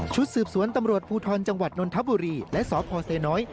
สืบสวนตำรวจภูทรจังหวัดนนทบุรีและสพเซน้อย